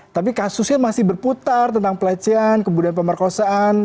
tapi kasusnya masih berputar tentang pelecehan kemudian pemerkosaan